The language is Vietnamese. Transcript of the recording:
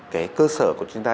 cái cơ sở của chúng ta